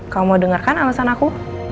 kamu mau denger kan alasan aku